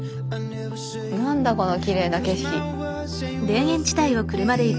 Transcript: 何だこのきれいな景色！